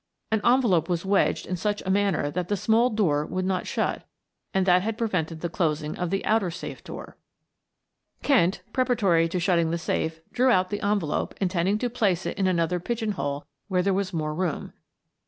An envelope was wedged in such a manner that the small door would not shut and that had prevented the closing of the outer safe door. Kent, preparatory to shutting the safe, drew out the envelope intending to place it in another pigeon hole where there was more room.